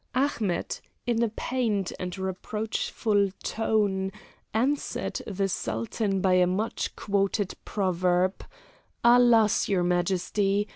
Ahmet, in a pained and reproachful tone, answered the Sultan by a much quoted proverb: "Alas! Your Majesty!